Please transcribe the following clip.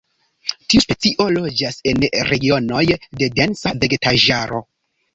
Tiu specio loĝas en regionoj de densa vegetaĵaro.